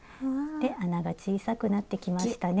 穴が小さくなってきましたね。